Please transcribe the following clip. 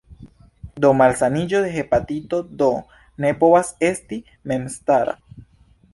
Do, malsaniĝo de hepatito D ne povas esti memstara.